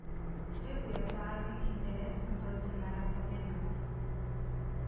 Trebuie să ai un interes în soluționarea problemelor.